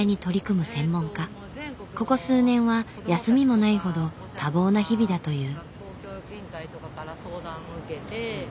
ここ数年は休みもないほど多忙な日々だという。